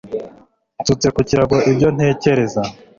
nsutse ku kirago ibyo ntekereza